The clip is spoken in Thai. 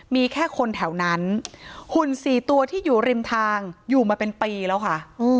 มีแค่คนแถวนั้นหุ่น๔ตัวที่อยู่ริมทางอยู่มาเป็นปีแล้วค่ะ